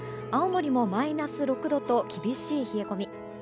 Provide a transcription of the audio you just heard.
青森もマイナス６度と厳しい冷え込み。